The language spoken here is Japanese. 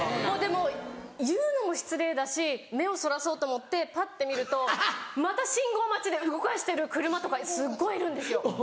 でも言うのも失礼だし目をそらそうと思ってパッて見るとまた信号待ちで動かしてる車とかすごいいるんですよ。